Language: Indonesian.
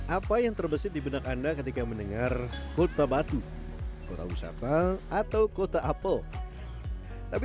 apa yang terbesit di benak anda ketika mendengar kota batu kota usapa atau kota apple tapi